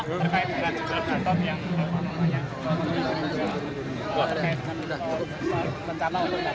oke pak terkait dengan gatot yang